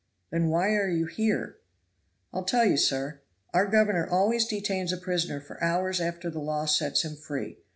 "Then why are you here?" "I'll tell you, sir. Our governor always detains a prisoner for hours after the law sets him free.